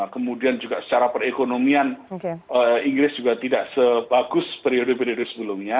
kemudian juga secara perekonomian inggris juga tidak sebagus periode periode sebelumnya